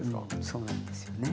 そうなんですよね。